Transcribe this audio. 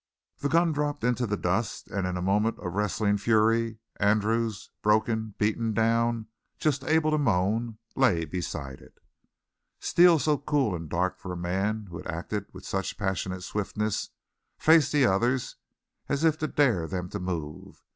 The gun dropped into the dust; and in a moment of wrestling fury Andrews, broken, beaten down, just able to moan, lay beside it. Steele, so cool and dark for a man who had acted with such passionate swiftness, faced the others as if to dare them to move.